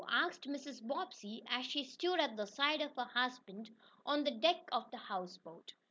asked Mrs. Bobbsey, as she stood at the side of her husband on the deck of the houseboat.